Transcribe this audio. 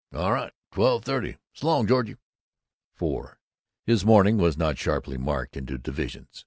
"A' right. Twelve thirty. S' long, Georgie." IV His morning was not sharply marked into divisions.